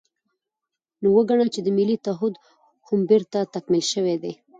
نو وګڼه چې ملي تعهُد هم بېرته تکمیل شوی دی.